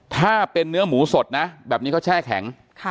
ถ้าเป็นเนื้อหมูสดนะแบบนี้เขาแช่แข็ง